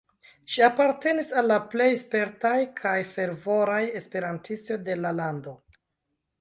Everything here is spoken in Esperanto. Ŝi apartenis al la plej spertaj kaj fervoraj esperantistoj de la lando".